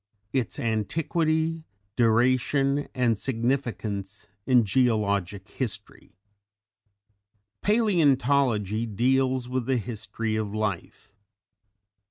ITS ANTIQUITY, DURATION AND SIGNIFICANCE IN GEOLOGIC HISTORY. Palæontology deals with the History of Life.